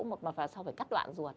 mà sau đó phải cắt đoạn ruột